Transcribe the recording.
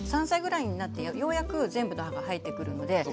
３歳ぐらいになってようやく全部の歯が生えてくるので。